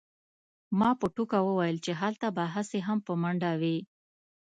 ما په ټوکه وویل چې هلته به هسې هم په منډه وې